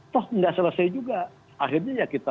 tidak selesai juga akhirnya ya kita